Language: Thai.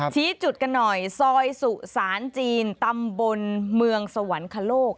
ชี้จุดกันหน่อยซอยสุสานจีนตำบลเมืองสวรรคโลก